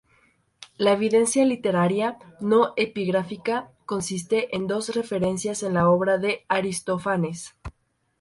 La evidencia literaria no epigráfica consiste en dos referencias en la obra de Aristófanes.